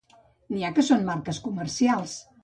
N'hi ha que són marques comercials.